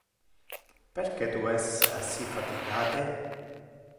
Perque tu es assi fatigate?